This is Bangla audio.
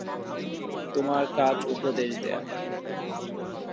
তোমার কাজ উপদেশ দেয়া।